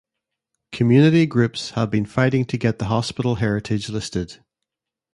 Community groups have been fighting to get the hospital heritage listed.